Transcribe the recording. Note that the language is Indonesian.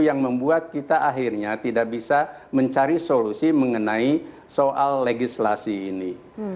yang membuat kita akhirnya tidak bisa mencari solusi mengenai soal legislasi ini